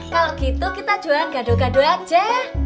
kalau gitu kita jualan gadu gadu aja